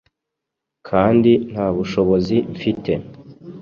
kandi nta bushobozi mfite